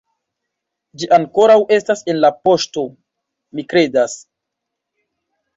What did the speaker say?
Ĝi ankoraŭ estas en la poŝto, mi kredas